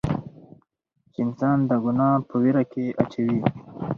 چې انسان د ګناه پۀ وېره کښې اچوي